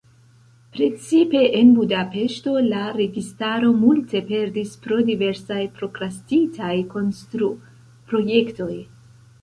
Precipe en Budapeŝto la registaro multe perdis pro diversaj prokrastitaj konstru-projektoj.